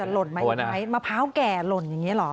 จะหล่นมาอีกไหมมะพร้าวแก่หล่นอย่างนี้หรอ